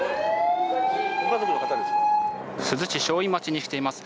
珠洲市正院町に来ています。